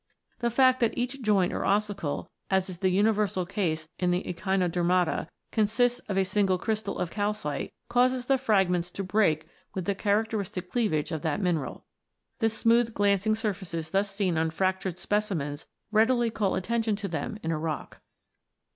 The fact that each joint or ossicle, as is the universal case in the echinodermata, consists of a single crystal of calcite causes the fragments to break with the characteristic cleavage of that mineral. The smooth glancing surfaces thus seen on fractured specimens readily call attention to them in a rock.